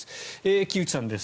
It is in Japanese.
木内さんです。